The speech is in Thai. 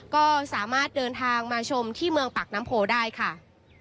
ก็สามารถเดินทางมาชมที่เมืองปากน้ำโพได้ค่ะ